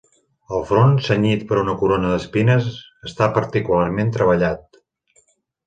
El front, cenyit per una corona d'espines, està particularment treballat.